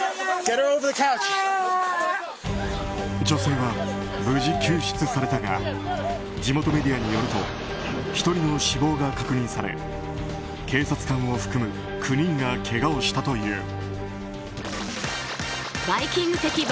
女性は無事救出されたが地元メディアによると１人の死亡が確認され警察官を含む９人がけがをしたという。